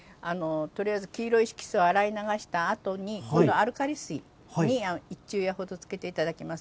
とりあえず黄色い色素を洗い流したあとに、今度、アルカリ水に一昼夜ほどつけていただきます。